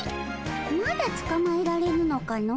まだつかまえられぬのかの。